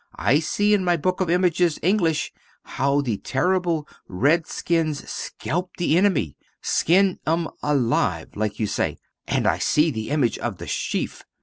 I see in my book of images English how the terrible Red skins scalp the enemy, "skin 'em alive," like you say, and I see the image of the chef.